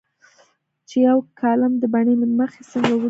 چې یو کالم د بڼې له مخې څنګه ولیکو.